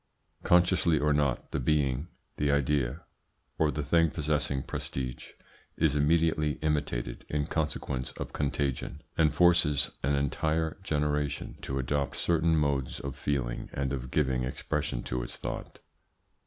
Consciously or not, the being, the idea, or the thing possessing prestige is immediately imitated in consequence of contagion, and forces an entire generation to adopt certain modes of feeling and of giving expression to its thought.